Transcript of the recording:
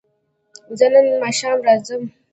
زه نن ماښام راځم